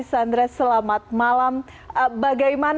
sandra selamat malam